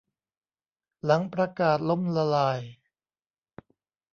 หลังประกาศล้มละลาย